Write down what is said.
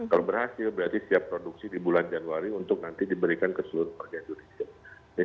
kalau berhasil berarti siap produksi di bulan januari untuk nanti diberikan ke seluruh warga indonesia